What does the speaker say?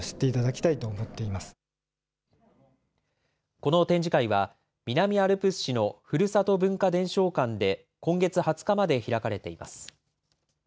この展示会は、南アルプス市のふるさと文化伝承館で今月２０日まで開かれています。